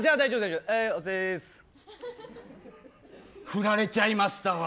フラれちゃいましたわ。